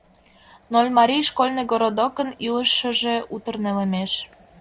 Нольмарий школьный городокын илышыже утыр нелемеш.